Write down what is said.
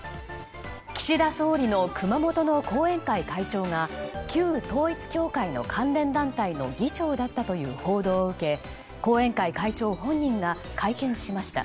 岸田総理の熊本の後援会会長が旧統一教会の関連団体の議長だったという報道を受け後援会会長本人が会見しました。